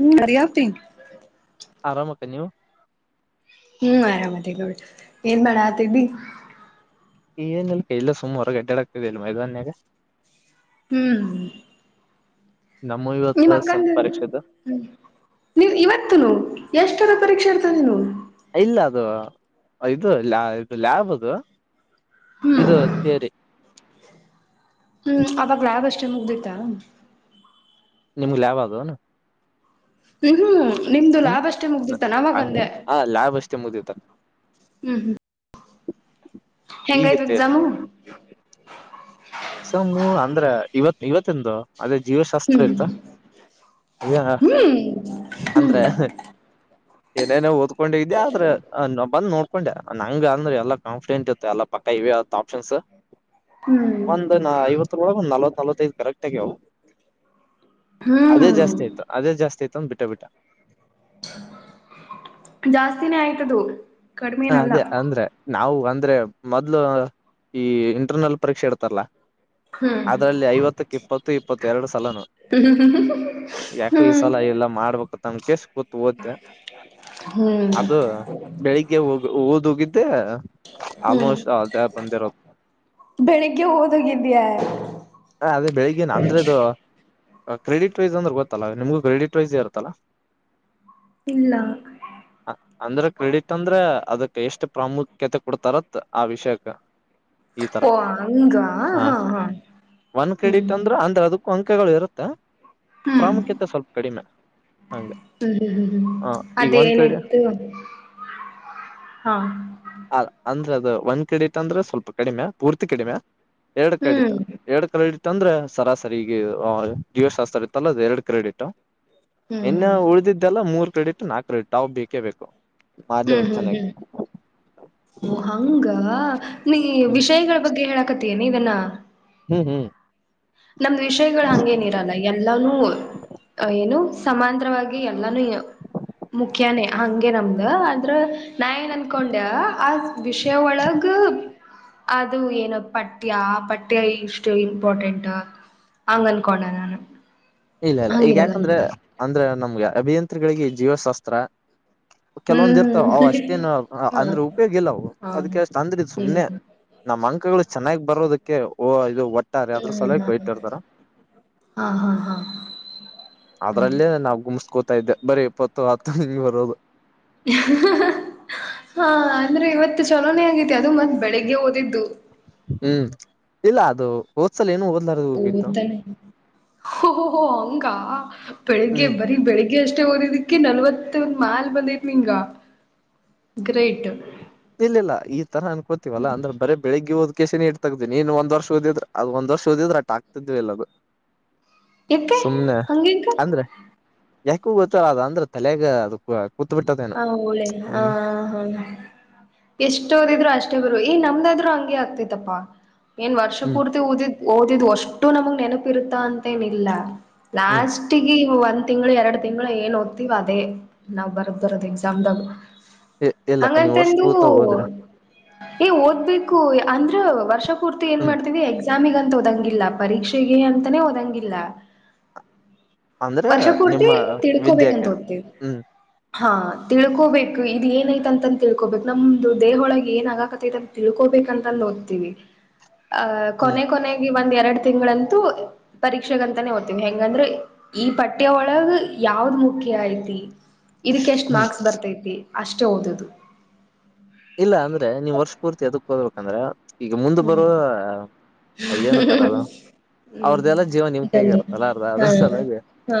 ಹ್ಮ ಹರಿಯಪ್ತಿ ಆರಾಮಕ್ಕ ನೀವು ಹ್ಮ್ ಆರಾಮದೇಗ ಏನ್ ಮಾಡ ಆತಿ ಏನಲ್ ಕೈಲ್ಲ ಸುಮ್ವಾರ ಗಡ್ಡ್ಯಾಡ ಆಗ್ತಿದೆಲ್ಲಿ ಮೈದಾನ್ಯಾಗ ಹ್ಮ್ ನಮ್ಮ ನಿಮ್ಮ ಇವತ್ತು ಸಮ್ ಅಕ್ಕಂದ ಪರೀಕ್ಷೆದು ನೀ ಇವತ್ತುನು ಎಷ್ಟರ ಪರೀಕ್ಷೆ ಎತವು ಇಲ್ಲ ಅದು ಇದುಾ ಇದು ಲ್ಯಾಬ್ ಅದು ಇದು ಸೇರಿ ಹ್ಮ್ ಅವಾಗ ಯಾಗ ಅಷ್ಟ ಮುಗ್ದತಾ ನಿಮ್ಗ್ ಯಾವ ಅದುನಾ ತು ಹು ನಿಮ್ದು ಲಾಭಷ್ಟೇ ನ- ಮುಗ್ದಿತ್ತ ಹಂಗ ನಾವಾಗಂದೆ ಆ ಲ್ಯಾಬ್ ಅಷ್ಟೇ ಮುಗಿತ ಹ್ಮ್ ಹ್ಮ್ ಈಗ ಹೆಂಗಯ್ತು ಎಕ್ಸಾಮ ಸಮ್ಮ ಅಂದ್ರ ಇವತ್ ಇವತ್ತಂದು ಅದೇ ಜೀವಶಾಸ್ತ್ರ ಹ್ಮ್ ಇತ ಅ್ಯ ಹ್ಮ್ ಅಂದ್ರೆ ಏನೇನೋ ಓದ್ಕೊಂಡಿದ್ಯಾ ಆದ್ರ ಬಂದ್ ನೋಡ್ ಹಕೊಂಡೆ ನಂಗ ಅಂದ್ರೆ ಎಲ್ಲ ಕಾಫಿಡೆಂಟ್ ಇತ್ತ ಎಲ್ಲ ಪಕ್ಕ ಇವ ಹ್ಮ್ ನಾ ಐವತ್ತು ರಳ ಒಂದು ನಲ್ವತ್ ನಲ್ಐದು ಕರೆಕ್ಟ್ ಆಗ್ಯವು ಅದೇ ಹ್ಮ್ ಜಾಸ್ತಿ ಆಯ್ತು ಅದೇ ಜಾಸ್ತಿ ಆಯ್ತು ಅಂದ ಬಿಟ್ಟ ಬಿಟ್ಟ ಜಾಸ್ತಿನೇ ಆಯ್ತದುು ಹ ಅದೇ ಅಂದ್ರೆ ನಾವು ಅಂದ್ರೆ ಮೊದ್ಲು ಈ ಇಂಟರ್ನಲ್ ಪರೀಕ್ಷೆ ಇಡ್ತಾರಲ್ಲ ಹ್ಮ್ ಅದರಲ್ಲಿ ಐವತ್ತಕ್ಕೆ ಇಪ್ಪತ್ತು ಇಪ್ಪತ್ತ ಎರಡು ಸಲನು ಯಾಕೋ ಈ ಹ್ಮ್ ಸಲ ಎಲ್ಲ ಮಾಡ್ಬೇಕತ್ಮ ಕಸ ಕೂ ಹೋಗ್ದೆ ಹ್ಮ್ ಅದು ಬೆಳಿಗ್ಗೆ ಓದ ಹೋಗಿದ್ದೆ ಹ್ಮ್ ಬೆಳಿಗ್ಗೆ ಹೋದೋಗಿದಯ ಹ ಅದೇ ಬೆಳಿಗ್ಗೆ ನ ಅಂದ್ರದು ಕ್ರೆಡಿಟ್ ರೈಸ್ ಅಂದ್ರೆ ಗೊತ್ತಲ್ಲ ನಿಮ್ಗೂ ಕ್ರೆಡಿಟ್ ರೈಸ್ ಇರುತ್ತಲ್ಲಾ ಇಲ್ಲ ಅಂದ್ರ ಕ್ರೆಡಿಟ್ ಅಂದ್ರೆ ಅದಕ್ ಎಷ್ಟ್ ಪ್ರಾಮುಖ್ಯತೆ ಕೊಡ್ತಾರತ್ ಆ ವಿಷಯಕ್ ಓ ಹಂಗ ಹಾ ಹಾ ಒನ್ ಹ್ಮ್ ಕ್ರೆಡಿಟ್ ಅಂದ್ರೆ ಅಂದ್ರೆ ಅದಕ್ಕೂ ಅಂಕಗಳು ಇರುತ್ತೆ ಪ್ರಾಮುಖ್ಯತೆ ಸ್ವಲ್ಪ ಕಡಿಮೆ ಹಂಗ ಹ್ಮ್ ಹ್ಮ್ ಹ್ಮ್ ಹ್ಮ್ ಈಗ ಒಂದ್ ಕ್ರೆಡಿಟ್ ಅದೇನಿತ್ತು ಹ್ಮ ಹ ಅಂದ್ರೆ ಅದು ಒಂದ ಕ್ರೆಡಿಟ್ ಅಂದ್ರೆ ಸ್ವಲ್ಪ ಕಡಿಮೆ ಪೂರ್ತಿ ಕಡಿಮೆ ಎರಡು ಕ್ರೆಡಿಟ್ ಹ್ಮ್ ಎರಡು ಕ್ರೆಡಿಟ್ ಇತ್ತಂದ್ರೆ ಸರಾಸರಿ ಈಗ ಜೀವಶಾಸ್ತ್ರ ಇತ್ತಲ್ಲ ಅದು ಎರಡು ಕ್ರೆಡಿಟ್ ಹ್ಮ್ ಇನ್ನು ಉಳ್ದಿದ್ದಲ್ಲ ಮೂರ್ ಕ್ರೆಡಿಟ್ ನಾಕು ಕ್ರೆಡಿಟ್ ಅವ ಬೇಕೇ ಬೇಕು ಹ್ಮ್ ಮಾಡ್ಲೇಬೇಕ್ ಹ್ಮ್ ಚೆನ್ನಾಗಿ ಹ್ಮ್ ಓ ಹಂಗ ನೀ ವಿಷಯಗಳ ಬಗ್ಗೆ ಹೇಳಾಕತಿಯನ ಇದನ್ನ ಹ್ಮ್ ಹ್ಮ್ ನಮ್ದ್ ವಿಷಯಗಳು ಹಂಗೇನಿರಲ್ಲ ಎಲ್ಲಾನೂ ಏನು ಸಮಾಂತರವಾಗಿ ಎಲ್ಲಾನು ಮುಖ್ಯನೇ ಹಂಗೆ ನಮ್ದ ಅಂದ್ರ ನಾ ಏನ್ ಅನ್ಕೊಂಡೆ ಆ ವಿಷಯ ಒಳಗ ಅದು ಏನು ಪಠ್ಯ ಪಠ್ಯ ಇಷ್ಟು ಇಂಪಾರ್ಟೆಂಟ್ ಅಂಗನ್ಕೊಂಡನಾನ ಇಲ್ಲ ಇಲ್ಲ ಈಗ ಯಾಕಂದ್ರೆ ಅಂದ್ರೆ ನಮ್ಗೆ ಅಭಿಯಂತ್ರಿಗಳಿಗೆ ಜೀವಶಾಸ್ತ್ರ ಕೆಲವೊಂದ ಇರ್ತಾವ ಅ ಹ್ಮ್ ಅಷ್ಟೇನ್ ಅಂದ್ರೆ ಉಪಯೋಗ ಇಲ್ಲ ಅವು ಹಾ ಹಾ ಅದಕ್ಕೆಷ್ಟ ಅಂದ್ರ ಇದದು ಹ್ಮ್ ಸುಮ್ನೆ ನಮ್ಮ ಅಂಕಗಳು ಚೆನ್ನಾಗ್ ಬರೋದಕ್ಕೆ ಓ ಇದು ಇಟ್ಟಾರೆ ಅದ್ರ ಹ್ಮ್ ಹಾ ಸಲಕ್ಕೆ ಇಟ್ಟರ್ತಾರ ಹಾ ಹಾ ಅದ್ರಲ್ಲೇ ನಾವ ಗುಮಸ್ಕೋತಾ ಇದ್ದೆ ಬರೀ ಇಪ್ಪತ್ತು ಹತ್ತು ಹಿಂಗ್ ಬರೋದು [unintelligible] ಹಾ ಅಂದ್ರೆ ಇವತ್ತು ಚಲೋನೇ ಆಗೈತಿ ಅದು ಮತ್ತ್ ಬೆಳಿಗ್ಗೆ ಓದಿದ್ದು ಹ್ಮ್ ಇಲ್ಲ ಅದು ಓದ್ಸಲ ಏನು ಹದ ಓದ್ತಾನೆ ಓಹೋ ಹಂಗ ಬೆಳಿಗ್ಗೆ ಹ್ಮ್ ಬರೀ ಬೆಳಿಗ್ಗೆ ಬೆಳ್ಳಿಗೆ ಅಷ್ಟೇ ಓದಿದಕ್ಕೆ ನಲ್ವತ್ತ ಮಾಲ್ ಬಂದತ್ ನಿಂಗ ಗ್ರೇಟ್ ಇಲ್ಲ ಇಲ್ಲ ಈ ತರ ಅನ್ಕೊಡ್ತಿವಲ್ಲಾ ಅಂದ್ರೆ ಬರ ಬೆಳಗ್ಗೆ ಓದ್ ಕೆ ಸಿ ನೀಟ್ ತೆಗ್ದಿನಿ ನೀನ್ ಒಂದ್ ವರ್ಷ ಓದಿದ್ರ ಅ ಒಂದ್ ವರ್ಷ ಓದ್ರೆ ಆಟ ಆಗ್ತಿದ್ವಿಲ್ಲ ಯಾಕೆ ಸುಮ್ನೆ ಹಂಗೆಂಗ ಅಂದ್ರೆ ಯಾಕು ಗೊತ್ತಲ್ಲ ಅದ ಅಂದ್ರೆ ತಲೆಗ ಅದಕ್ಕೂ ಹಳೇ ಹ ಹ ಎಷ್ಟ ಓದಿದ್ರು ಅಷ್ಟೇ ಗುರು ಈ ನಮ್ದಾದ್ರು ಹಂಗಗೆ ಆಗ್ತತ್ತಪ್ಪಾ ಏನ್ ವರ್ಷ ಹ್ಮ್ ಪೂರ್ತಿ ಒದಿದ ಓದಿದ್ ಅಷ್ಟು ನಮಗ್ ನೆನಪು ಇರುತ್ತ ಅಂತೇನಿಲ್ಲ ಹ್ಮ್ ಲಾಸ್ಟಗ ಒಂದ್ ತಿಂಗಳು ಎರಡು ತಿಂಗಳು ಏನ್ ಓದ್ತಾತಿವ್ ಅದೇ ನಾವ್ ಬರ್ ದಿರೋದು ಎಕ್ಸಾಮ್ದಾಗ ಇಲ್ಲಕ್ಕ ನೀವ್ ವರ್ಷ ಹಂಗಂತಂದು ಪೂತ್ರ ಹೋದ್ರೆ ಏ ಓದ್ಬೇಕು ಅಂದ್ರ ವರ್ಷ ಪೊರ್ತಿ ಏ ಹ್ಮ್ ಮಾಡ್ತೀವಿ ಎಕ್ಸಾಮ್ಗ ಓದಂಗಿಲ್ಲ ಪರೀಕ್ಷೆಗೆ ಅಂತಾನೇ ಒಓದಂಗಿಲ್ಲ ಅಂದ್ರೆ ವರ್ಷ ನಿಮ್ಮ ಪೂರ್ತಿ ತಿಡ್ಕೋಬೇಕಂತ ವಿದ್ಯಾಕ್ಕೆ ಓದ್ತೀವಿ ಹ್ಮ್ ಹಾ ತಿಳ್ಕೋಬೇಕು ಇದು ಏನ ಆಯ್ತ್ ಅಂತ ತಿಳ್ಕೋಬೇಕು ನಮ್ದು ದೇಹೊಳ ಏನ ಆಗಕತ್ತತೈಂತ ತಿಳ್ಕೋ ತಿಳ್ಕೊಬೇಕು ಅಂತಓದ್ತಿವಿ ಹ ಹ್ಮ್ ಕೊನೆಕೋನೆಗೆ ಒಂದು ಎರಡು ತಿಂಗಳಂತೂ ಪರೀಕ್ಷೆಗಂತಾನೆ ಓತೀನಿ ಹೆಂಗಂದ್ರೆ ಈ ಪಠ್ಯ ಒಳಗ ಯಾವ ಯ ಮುಖ್ಯ ಐತಿ ಇದಕ್ಕೆ ಎಷ್ಟ್ ಹ್ಮ್ ಮಾರ್ಕ್ಸ್ ಬರ್ತೈತಿ ಅಷ್ಟೇ ಓದದು ಇಲ್ಲ ಅಂದ್ರೆ ನೀವ್ ವರ್ಷ ಪೂರ್ತಿ ಅದ್ಕಕ್ ಓದಬೇಕು ಅಂದ್ರೆ ಈಗ ಮುಂದೆ ಹ್ಮ್ ಬರುವ ಏನ್ ಅಂತರದು ಹ್ಮ್ ಅವ್ರದ್ದೆಲ್ಲ ಜೀವನ ನಿಮ್ ಕೈಗೆ ಇದಲ್ಲಿ ಇರ್ತ್ತಲ್ಲ ಅರ್ದ ಹಾ ಅದ್ರ ಸಲುವಗ್ ಹಾ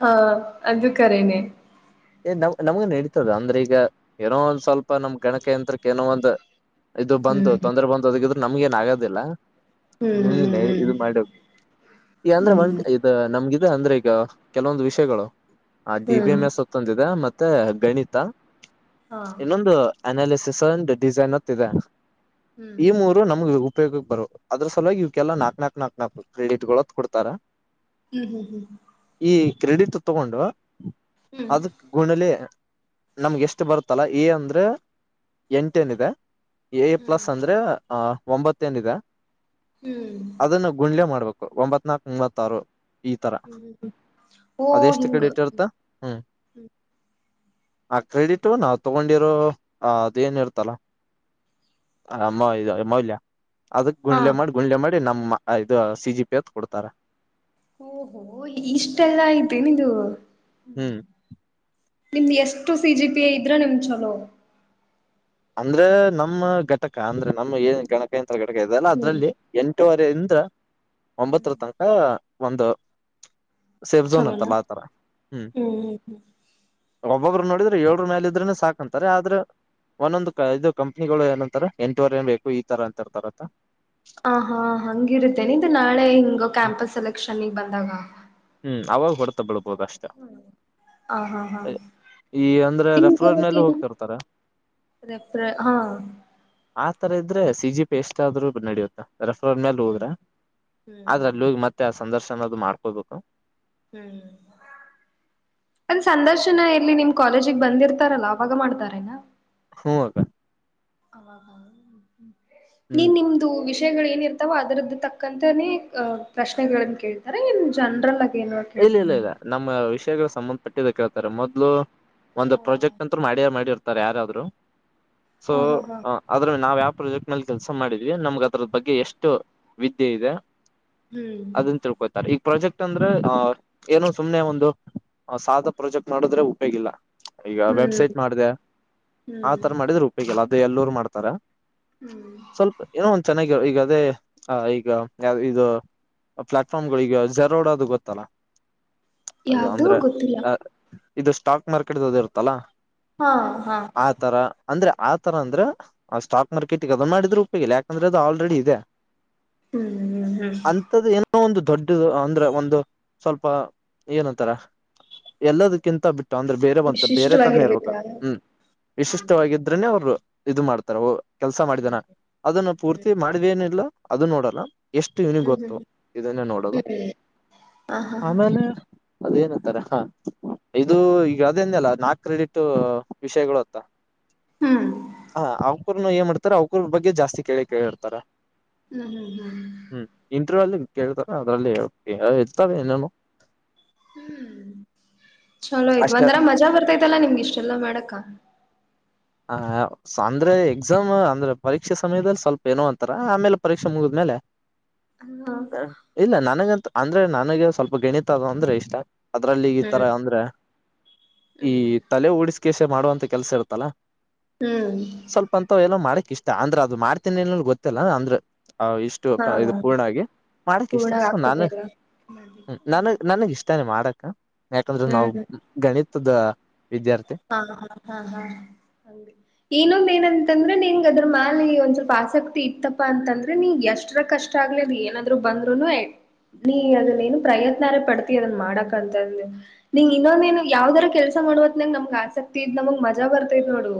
ಹಾ ಅದು ಕರೇನೆೇ ಏ ನಮ್ ನಮ್ಗ ನೆಡಿತದ ಅಂದ್ರೆ ಈಗ ಏನೋ ಒಂದ್ ಸ್ವಲ್ಪ ನಮ್ ಗಣಕಯಂತ್ರಕ್ಕೆ ಏನೋ ಒಂದ ಇದು ಬಂತು ಹ್ಮ್ ತೊಂದ್ರೆ ಬಂದು ಅದಕ್ಕಿದ್ರೆ ನಮ್ಗೆ ಏನ್ ಆಗೋದಿಲ್ಲ ಹ್ಮ್ ಹ್ಮ ಇದು ಮಾಡ ಈಗ ಹ್ಮ್ ಅಂದ್ರೆ ಹ್ಮ್ ನಮಗೆ ಇದು ಅ ಅಂದ್ರೆ ಈಗ ಕೆಲವೊಂದು ವಿಷಯಗಳು ಆ ಡಿ ಬಿ ಹ್ಮ್ ಹ್ಮ್ ಎಂ ಎಸ್ ಇ ಮತ್ತೆ ಗಣಿತ ಹಾ ಇನ್ನೊಂದು ಅನಾಲಿಸಿಸ್ ಒಂದು ಡಿಸೈನ್ ಅಂತ ಇದೆ ಹ್ಮ್ ಈ ಮೂರು ನಮ್ಗೆ ಉಪಯೋಗ ಬರು ಅದ್ರ ಸಲುವಾಗಿ ಇವ್ಕ್ಕೆಲ್ಲ ನಾಕಕ್ ನನಾಕಕ್ ನಾಕ್ ನನಾಕು ಕ್ರಡಿಟ್ ಕೊಡ್ತಾರ ಹ್ಮ್ ಹ್ಮ್ ಹ್ಮ್ ಹ್ಮ ಈ ಕ್ರೆಡಿಟ್ ತಗೊಂಡು ಹ್ಮ್ ಅದಕ್ ಗುಣಲಿ ನಮ್ಗೆ ಎಷ್ಟು ಬರುತ್ತಲ್ಲ ಈ ಅಂದ್ರೆ ಎಂಟ ಏನಿದೆ ಎ ಪ್ಲಸ್ ಹ್ಮ್ ಅಂದ್ರೆ ಅ ಒಂಬತ್ತೇನ್ ಇದೆ ಹ್ಮ್ ಅದನ್ನು ಗುಂಡ್ಲೆ ಮಾಡ್ಬೇಕು ಒಂಬತ್ ನಾಕ್ ಮೂವತ್ತಾರು ಈ ತರ ಹ್ಮ್ ಓ ಅದೆಷ್ಟು ಹಿಂಗ ಕಡಿ ಇಟ್ರ್ತ್ತ ಹ್ಮ್ ಆ ಕ್ರೆಡಿಟು ನಾವವು ತಗೊಂಡಿರೋ ಆ ಅದೇನಿರ್ತಲ್ಲ ಹ ಮ ಮಲ್ಯ ಅದಕ್ ಹಾ ಗುಂಡ್ಲೆ ಮಾಡಿ ಗುಂಡ್ಲೆ ಮಾಡಿ ನಮ್ಮ್ ಇದು ಸಿ ಜಿ ಪಿ ಹತ್ ಕೊಡ್ತಾರೆ ಓಹೋ ಇಷ್ಟೆಲ್ಲ ಆಯ್ತೆು ನಿದು ಹ್ಮ್ ನಿಮ್ದ್ ಎಷ್ಟು ಸಿ ಜಿ ಪಿ ಐ ಇದ್ರೆ ನಿಮ್ ಚಲೋ ಅಂದ್ರೆ ನಮ್ಮ ಘಟಕ ಅಂದ್ರೆ ನಮ್ಮ ಏನ್ ಗಣಕ ಯಂತ್ರ ಘಟಕ ಇದ ಅಲ್ಲ ಹ್ಮ್ ಅದ್ರಲ್ಲಿ ಎಂ ವರಿಂದ ಹ್ಮ್ ಒಂಬತ್ತರ ತನಕ ಒಂದು ಸೇಫ್ ಝೋನ್ ಚಲೋನಾ ಅತ್ತಲ್ಲ ಆತರ ಹ್ಮ್ ಒಬ್ಬೊಬ್ಬರು ನೋಡಿದ್ರೆ ಏಳ್ರ ಮೇಾಲ ಇದ್ರೆನೆ ಸಾಕು ಅಂತಾರೆ ಆದ್ರೆ ಒಂದೊಂದಂದು ಇದು ಕಂಪ್ನಿಗಳು ಏನಂತಾರೆ ಎಂಟವರೆ ಏನ್ ಬೇಕು ಈ ತರ ಅಂತ ಇರ್ತಾರತ್ತ ಹ ಹಾ ಹಂಗಿರುತ್ತೇನೆ ಇದು ನಾಳೆ ಹಿಂಗ ಕ್ಯಾಂಪಸ್ ಸೆಲೆಕ್ಷನ್ಗ್ ಬಂದಾಗ ಹ್ಮ್ ಅವಾಗ ಹೊಡ್ತಾ ಬಿಳ್ಬೋದ ಅಷ್ಟ ಹ ಹಾ ಹಾ ಈ ಅಂದ್ರೆ ನಿಮ್ಗೆ ರೆಫ್ರರ್ ಮೇಲೆ ಅವಾಗೇನು ಹೋಗ್ತಿರ್ತಾರೆ ರೆಫ್ರ ಹಾ ಆತರ ಇದ್ರೆ ಸಿಜಿ ಪ ಎಸ್ ಆದ್ರ್ರು ನಡಿಯುತ್ತ ರೆಫರಲ್ಟ್ ಮೇಲೆ ಹ್ಮ್ ಹೋದ್ರೆ ಆದ್ರ ಹ್ಮ್ ಅಲ್ಲಿ ಹೋಗಿ ಮತ್ತೆ ಆ ಸಂದರ್ಶನ ಅದು ಮಾಡ್ಕೋಬೇಕು ಹ್ಮ್ ಒಂದ್ ಸಂದರ್ಶನ ಎಲ್ಲಿ ನಿಮ್ ಕಾಲೇಜಿಗೆ ಬಂದಿರ್ತಾರಲ್ಲಾ ಅವಾಗ ಮಾಡ್ತಾರೇನಾ ಹಗ ನೀನ್ ಹ್ಮ್ ನಿಮ್ದು ವಿಷ ಏನ ಇರ್ತಾವೋ ಅದ್ರದ್ದ ತಕ್ಕಂತೇ ಪ್ರಶ್ನೆಗಳಗಳನ್ನು ಕೇಳ್ತಾರೆ ನ್ ಜನರಲ್ ಆಗ ಇಲ್ಲ ಇಲ್ಲ ಇಲ್ಲ ನಮ್ಮ ವಿ ಸಂಬಂಧಪಟ್ಟ ಕೇಳ್ತಾರೆ ಮೊದ್ಲು ಒಂದು ಪ್ರಾಜೆಕ್ಟ್ ಅಂತರು ಮಾಡಿಯ ಮಾಡಿರ್ತಾರೆ ಯಾರಾದ್ರು ಸೊ ಹ ಹಾ ಹಾ ಆದದ್ರ ನಾವ ಯ ಪ್ರಾಜೆಕ್ಟ್ ನಲ್ಲಿ ಕೆಲಸ ಮಾಡಿದ್ವಿ ನಮ್ಗ ಅದ್ರ ಬಗ್ಗೆ ಎಷ್ಟು ವಿದ್ಯ ಇದೆ ಹ್ಮ್ ಅದನ್ ತಿಳ್ಕೊತಾರೆ ಈಗ ಪ್ರಾಜೆಕ್ಟ್ ಅಂದ್ರೆ ಹ ಏನು ಸುಮ್ನೆ ಒಂದು ಸಾದ ಪ್ರೊಜೆಕ್ಟ್ ಮಾಡಿದ್ರೆ ಉಪೇಗಿಲ್ಲ ಈಗ ಹ್ಮ್ ವೆಬ್ಸೈಟ್ ಮಾಡಿದೆ ಹ್ಮ್ ಆತರ ಮಾಡಿದ್ರೆ ಉಪೋಗಿಲ್ಲ ಅದು ಎಲ್ಲರುೂ ಮಾಡ್ತಾರ ಹ್ಮ್ ಸ್ವಲ್ಪ ಏನೋ ಒಂದ್ ಚೆನ್ನಾಗಿ ಈಗ ಈಗ ಅದೇ ಆ ಈಗ ಇದು ಪ್ಲಾಟ್ಫಾರ್ಮ್ ಈಗ ಜೆರೋಡೋದು ಗೊತ್ತ ಅದು ಯಾವ್ದೂ ಅಂದ್ರೆ ಗೊತ್ತಿಲ್ಲ ಇದು ಸ್ಟಾಕ್ ಮಾರ್ಕೆಟ್ದು ಇರುತ್ತಲ್ಲಾ ಹಾ ಹಾ ಅಂದ್ರೆ ಆ ತರ ಅಂದ್ರೆ ಆ ಸ್ಟಾಕ್ ಮಾರ್ಕೆಟ್ ಗೆ ಅದನ್ನ ಮಾಡಿದ್ರ ಉಪಯೋಗ ಇಿಲ್ಲ ಯಾಕಂದ್ರೆ ಅದು ಆಲ್ರೆಡಿ ಇದೆ ಹ್ಮ್ ಹ್ಮ್ ಹ್ಮ್ ಅಂತ್ದು ಏನೋ ಒಂದು ದೊಡ್ಡದು ಅಂದ್ರೆ ಒಂದು ಸ್ವಲ್ಪ ಏನಂತಾರ ಎಲ್ಲದಕ್ಕಿಂತ ಬಿಟ್ಟ ಅಷ್ಟ ಅಂದ್ರೆ ಬೇರೆ ಬಂತ ಬೇರೆ ತರನೇ ಇರ್ಬೇಕು ವಿಶಿಷ್ಟವಾಗಿರ್ಬೇಕಾ ಹ್ಮ್ ಹ್ಮ್ ವಿಶಿಷ್ಟವಾಗಿದ್ರನೆ ಅವರು ಇದು ಮಾಡ್ತಾರ ಕೆಲ್ಸ ಮಾಡಿದನ ಅದನ್ನ ಪೂರ್ತಿ ಮಾಡ್ನಿಲ್ಲ ಅದು ನೋಡಲ್ಲ ಎಷ್ಟು ಇನಿಗೆ ಹ್ಮ್ ಗೊತ್ತು ಹ್ಮ್ ಇದನ್ನ ನೋಡೋದು ಹ್ಮ್ ಹ ಹಾ ಹಾ ಆಮೇಲೆ ಅದೇಏನತ್ತಾರ ಹಾ ಇದು ಈಗ ಅದೇನ್ಲ್ಲ ನಾಕ್ ಕ್ರೆಡಿಟ್ ವಿಷಯಗಳು ಅತ್ತ ಹ್ಮ್ ಹ ಅವ್ಕೂರುನು ಏ ಮಾಡ್ತಾರ ಅವ್ಕೂರ್ ಬಗ್ಗೆ ಜಾಸ್ತಿ ಕೇಳಿ ಕೇಳಿರ್ತಾರ ಹ್ಮ ಹ್ಮ್ ಹ್ಮ್ ಇಂಟರ್ವ್ಯೂ ಅಲ್ಲಿ ಕೇಳ್ತಾರ ಅದ್ರಲ್ಲಿ ಇರ್ತವೆ ಏನೇನು [inaudible] ಚಲೋಯ್ತು ಅಷ್ಟೇ ಒಂದರ ಮಜಾ ಬರ್ತೈತಲ್ಲಾ ನಿಮ್ಗೆ ಇಷ್ಟೆಲ್ಲಾ ಮಾಡಕ. ಹ ಅಂದ್ರೆ ಎಕ್ಸಾಮ್ ಅಂದ್ರೆ ಪರೀಕ್ಷೆ ಸಮಯದಲ್ಲಿ ಸ್ವಲ್ಪ ಏನೋ ಅಂತರ ಆಮೇಲೆ ಪರೀಕ್ಷೆ ಮುಗಿದ್ಮೇಲೆ. ಹ ಹ ಹ್ಮ್ ಇಲ್ಲ ನನಗಂತ ಅಂದ್ರೆ ನನಗೆ ಸ್ವಲ್ಪ ಗಣಿತ ಅದು ಅಂದ್ರೆ ಇಷ್ಟ. ಅದ್ರಲ್ಲಿ ಈ ತರ ಅಂದ್ರೆ ಈ ಹ್ಮ್ ತಲೆ ಉಡಿಸಿಕಸ ಮಾಡುವಂತ ಕೆಲ್ಸ ಇರ್ತ್ತಲ್ಲ. ಹ್ಮ್ ಸ್ವಲ್ಪ ಅಂತ ಎಲ್ಲ ಮಾಡಕ್ ಇಷ್ಟ ಅಂದ್ರ ಅದು ಮಾಡ್ತೀನಿನ್ಲ್ ಗೊತ್ತಲ್ಲ ಅಂದ್ರ. ಹ ಇಷ್ಟು ಹಾ ಇದು ಪೂರ್ಣ ಆಗಿ ಮಾಡಕ್ ಇಷ್ಟ ಪೂರ್ಣ ಸೊ ನಾನೆ ಆಗ್ತದೆಲ್ಲ ಹ್ಮ ನನಗ್ ನನಗ್ ಇಷ್ಟನೆ ಮಾಡಕ್ಕ ಯಾಕಂದ್ರೆ ನಾವು ಹ್ಮ್ ಗಣಿತದ. ವಿದ್ಯಾರ್ಥಿ ಹಾ ಹ ಹಾ ಹಾ ಹ ಏನೊ ಮೇನ್ ಅನ್ ಅಂದ್ರೆ ನಿಂಗ್ ಅದ್ರ ಮೇಲೆ ಒಂದ್ ಸ್ವಲ್ಪ ಆಸಕ್ತಿ ಇತ್ತಪ್ಪಾ ಅಂತಂದ್ರೆ ನೀ ಎಷ್ಟರ ಕಷ್ಟ ಆಗ್ಲಿಲ್ಲ ಏನಾದ್ರು ಬ [unintelligible] ನೀ ಅದನ್ನ ಏನು ಪ್ರಯತ್ನೇ ಪಡ್ತಿ ಅದನ್ ಮಾಡಕಂತಂದ ನೀಂಗ ಇನ್ನೊಂದೇನು ಯಾವ್ದರ ಕೆಲ್ಸ. [unintelligible] ಆಸಕ್ತಿ ಇದ್ ನಮಗ್ ಮಜಾ ಬರ್ತೈದ್ ನೋಡು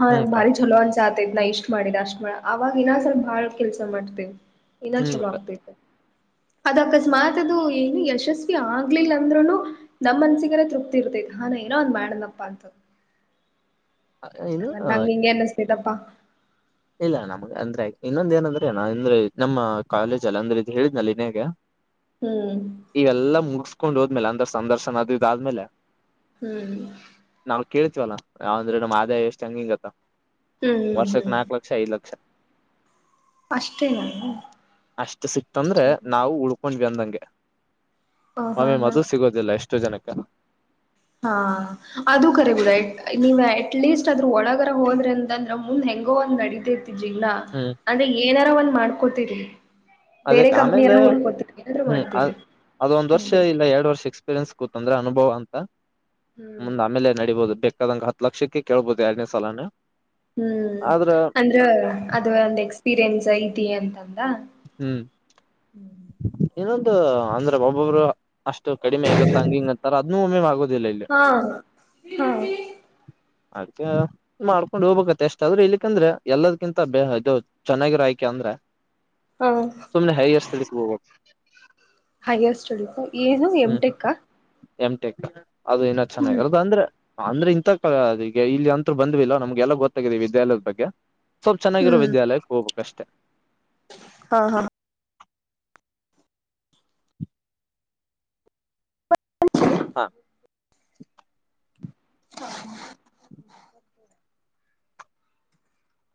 ಹಾ ಹ್ಮ್ ಅಕ್ಕ ಭಾರಿ ಚಲೋ ಅನ್ಸ ಆತ ಇದ್ ನ ಇಷ್ಟ್ ಮಾಡಿದ್ ಅಷ್ಟ ಮ ಅವಾಗ ಇನ್ನ ಸ್ವಲ್ಪ ಭಾಳ ಕೆಲ್ಸ ಮಾಡ್ತೆೇವೆ ಇನ್ನ ಹ್ಮ್ ಚಲೋ ಅಕ್ಕ ಆಗ್ತೇತೆ. ಅದ ಅಕಸ್ಮಾತ್ ಅದು ಏನು ಯಶಸ್ವಿ ಆಗ್ಲಿಲ್ಲ ಅಂದ್ರುನು ನಮ್ ಮನ್ಸಿಗೆಲ್ಲ ತೃಪ್ತಿ ಇರ್ತಗ. ಹಾ ನಾ ಏನೋ ಒಂದ್ ಮಾಡನಪ್ಪ ಅಂತ. ಏನು ಹಂಗ ನಂಗ ಇಂಗನ್ನ ಅನ್ಸತಪ್ಪ. ಇಲ್ಲ ನಮ್ ಅಂದ್ರೆ ಇನ್ನೊಂದ ಏನಂದ್ರೆನ ಅಂದ್ರೆ ನಮ್ಮ ಕಾಲೇಜಲ್ಲ ಅಂದ್ರೆ ಇ ಹೇಳಿದ್ನಲ್ಲಿ ಇದೆಗೆ. ಹ್ಮ್ ಇವೆಲ್ಲಾ ಮುಗಸ್ಕೊಂಡ್ ಹೋದ್ಮೇಲೆ ಅಂದ್ರ ಸಂದರ್ಶನ ಅದ ಇದ ಆದ್ಮೇಲೆ. ಹ್ಮ್. ಕೇಳ್ತಿವಲ್ಲ ಯಾವ ಅಂದ್ರೆ ನಮ್ ಆದಾಯ ಎಷ್ಟು ಹಂಗ ಹಿಂಗತ್ತ. ಹ್ಮ್ ಹ್ಮ್ ಹ್ಮ್. ಐದು ಲಕ್ಷ ಅಷ್ಟೇನಾ ಅಷ್ಟು ಸಿಕ್ತಂದ್ರೆ ನಾವು ಉಳ್ಕ ಹಕೊಂಡ್ವಿ ಅಂದಂಗೆ ಹ ಹಾ ಒಮ್ಮಿ ಒಮ್ಮಿ ಹಾ ಅದು ಸಿಗೋದಿಲ್ಲ ಎಷ್ಟು ಜನಕ. ಹಾ ಅದು ಕರಿಬಿಡ ನೀವ್ ಅಟ್ಲೀಸ್ಟ್ ಅದ್ರ ಒಳಗರ ಹೋದ್ರೆ ಅಂತ ಅಂದ್ರ ಮುಂದ ಹೆಂಗ್ ಹೆಂಗೋ ಒಂದ್ ನಡತಿರ್ತಿದಿಲ್ಲಾ ಹ್ಮ್ ಅಂದ್ರೆ ಏನಾರ ಒಂದ್ ಮಾಡ್ಕೋತಿದರಿ. ಅದಕ್ ಆಮೇಲೆ ಏನಾದ್ರು ಹ್ಮ್ ಅ್ ಮಾಡ್ತೀರಿ ಅದೊಂದ್ ವರ್ಷ ಸಿಗ್ಬೇಕು ಇಲ್ಲ ಎರಡ್ ವರ್ಷ ಎಕ್ಸ್ಪೀರಿಯನ್ಸ್. ತಂದ್ರೆ ಅನುಭವ ಅಂತ ಹ್ಮ್ ಮುಂದ್ ಆಮೇಲೆ ನಡೀಬಹುದು ಬೇಕ ಕದಂಗ ಹ ಲಕ್ಷಕ್ಕೆ ಕೇಳ್ಬೋದು ಎರಡನೇ ಸಾಲಾನ. ಹ್ಮ್ ಅಂದ್ರ ಅದು ಒಂದ್ ಎಕ್ಸ್ಪೀರಿಯನ್ಸ್ ಐತಿ ಅಂತಂದ. ಹ್ಮ್ ಇನೊಂದು ಅಂದ್ರ ಬಬೊಬ್ರ ಅಷ್ಟು ಕಡಿಮೆ ಆಗುತ್ತತ್ತ ಹಂಗ ಹಂಗ ಅಂತಾರ ಅದನ್ನೂ ಒಮ್ಮೆ ಆಗೋದಿಲ್ಲ ಇಲ್ಲಿ. ಹಾ ಹಾ. ಅದ ಮಾಡ್ಕೊಂಡ್ ಹೋಗ್ಬೇಕತ್ತ ಎಷ್ಟ ಆದ್ರೆ ಇಲ್ಲಿಕ್ಕಂದ್ರೆ ಎಲ್ಲದಕಿಂತ ಬ ಇದು ಚೆನ್ನಾಗಿರ ಆಯ್ಕೆ ಅಂದ್ರ. ಹಾ ಸುಮ್ಮ್ನೆ ಹೈಯರ್ ಸ್ಟಡೀಸ್ ಹೋಗಬೇಕ. ಹೈಯರ್ ಸ್ಟಡಿ ಏನು ಎಂ ಟೆ ಕಾ. ಎಂ ಟೆಕ್ ಅದು ಇನ್ನ ಚೆನ್ನಾಗಿರದು ಅಂದ್ರ. ಅಂದ್ರೆ ಇಂತ ಈಗ ಇಲ್ಲಿ ಅಂತ್ರು ಬಂದಲ್ಲ ನಮ್ಗೆಲ್ಲ ಗೊತ್ತಾಗಿದ್ದವಿ ವಿದ್ಯಾಲಯದ ಬಗ್ಗೆ. ಸ್ವಲ್ಪ್ ಚೆನ್ನಾಗಿರೋ ವಿದ್ಯಾಲಯಕ್ಕೆ ಹೋಗ್ಬೇಕ ಅಷ್ಟೇ. ಹಾ ಹಾ. ಹಾ. [inaudible]